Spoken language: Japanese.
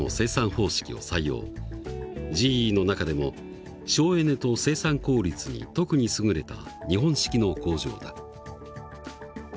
ＧＥの中でも省エネと生産効率に特に優れた日本式の工場だ。